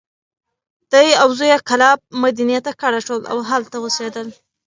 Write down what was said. دی او زوی یې کلاب، مدینې ته کډه شول. او هلته اوسېدل.